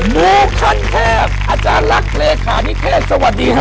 มูขั้นแทบอาจารย์รักษ์เลขานิเทศสวัสดีครับ